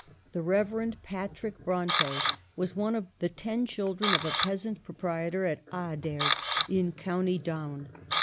The Reverend Patrick Bronte was one of the ten children of a peasant proprietor at Ahaderg in county Down.